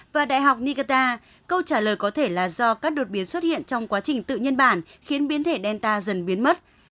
và đại học nicata câu trả lời có thể là do các đột biến xuất hiện trong quá trình tự nhân bản khiến biến thể delta dần biến mất